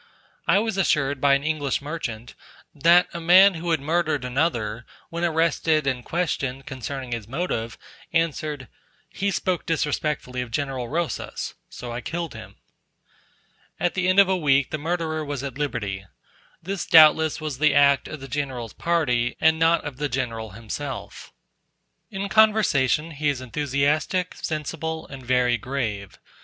I was assured by an English merchant, that a man who had murdered another, when arrested and questioned concerning his motive, answered, "He spoke disrespectfully of General Rosas, so I killed him." At the end of a week the murderer was at liberty. This doubtless was the act of the general's party, and not of the general himself. In conversation he is enthusiastic, sensible, and very grave.